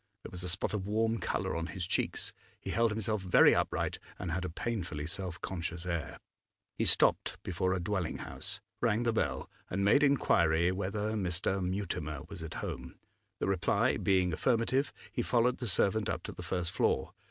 There was a spot of warm colour on his cheeks; he held himself very upright and had a painfully self conscious air. He stopped before a dwelling house, rang the bell, and made inquiry whether Mr. Mutimer was at home. The reply being affirmative, he followed the servant up to the first floor.